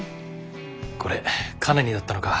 これカナにだったのか。